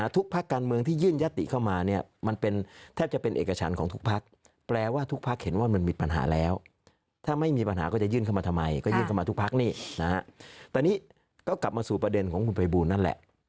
แต่นี้ก็กลับมาสู่ประเด็นของคุณเผยบูรณ์นั่นแหละ